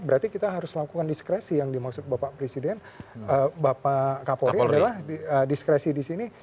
berarti kita harus lakukan diskresi yang dimaksud bapak presiden bapak kapolri adalah diskresi di sini